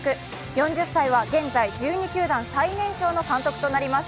４０歳は現在１２球団最年少の監督となります。